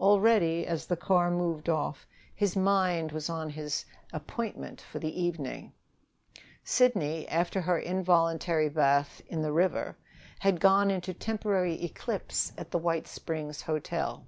Already, as the car moved off, his mind was on his appointment for the evening. Sidney, after her involuntary bath in the river, had gone into temporary eclipse at the White Springs Hotel.